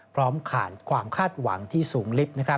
พร้อมขาดความคาดหวังที่สูงลิบ